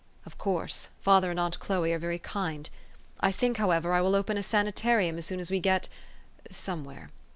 " Of course. Father and aunt Chloe are very kind. I think, however, I will open a sanitarium as soon as we get somewhere.